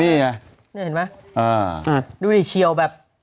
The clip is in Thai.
นี่เห็นไหมดูดิเชียวแบบ